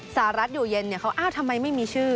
สารัสอยู่เย็นเนี่ยเขาทำไมไม่มีชื่อ